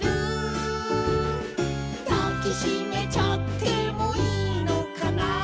「だきしめちゃってもいいのかな」